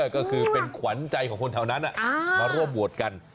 ก็คือเป็นขวัญใจของคนแถวนั้นมาร่วมโหวตกัน